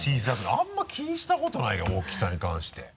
あんま気にしたことないけど大きさに関して。